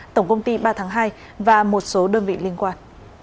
tổng công ty ba tháng hai và một số đơn vị liên quan